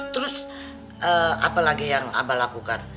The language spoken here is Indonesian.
terus apa lagi yang abah lakukan